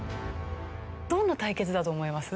どんな対決だと思います？